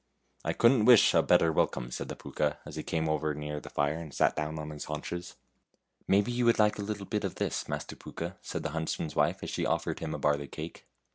" I couldn't wish a better welcome," said the Pooka, as he came over near the fire and sat down on his haunches. " Maybe you would like a little bit of this, Master Pooka," said the huntsman's wife, as she offered him a barley cake.